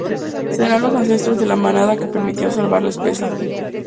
Serán los ancestros de la manada que permitió salvar la especie.